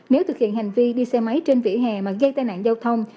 nếu thực hiện hành vi đi xe máy trên vỉa hè mà gây tai nạn giao thông